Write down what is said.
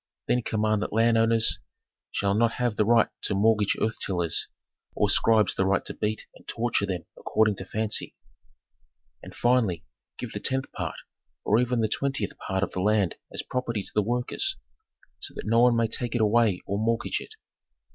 Then command that landowners shall not have the right to mortgage earth tillers, or scribes the right to beat and torture them according to fancy. "And finally, give the tenth part, or even the twentieth part of the land as property to the workers, so that no one may take it away or mortgage it.